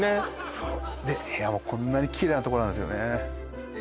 そうで部屋もこんなにキレイなとこなんですよね